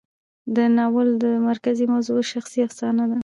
د ناول مرکزي موضوع شخصي افسانه ده.